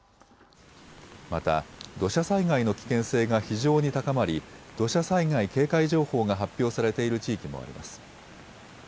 また土砂災害の危険性が非常に高まり土砂災害警戒情報が発表されている地域もあります。